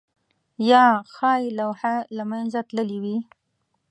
یا ښايي لوحه له منځه تللې وي؟